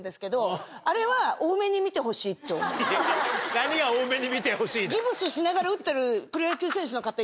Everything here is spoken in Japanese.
何が大目に見てほしいだ。